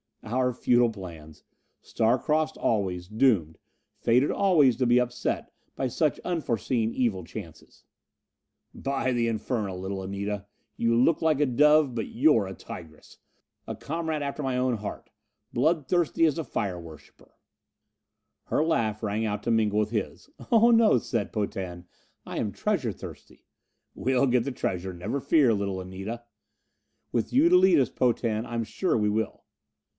Our futile plans! Star crossed always, doomed, fated always to be upset by such unforeseen evil chances! "By the infernal, little Anita, you look like a dove, but you're a tigress! A comrade after my own heart blood thirsty as a fire worshipper!" Her laugh rang out to mingle with his. "Oh no, Set Potan! I am treasure thirsty." "We'll get the treasure, never fear, little Anita." "With you to lead us, Potan, I'm sure we will."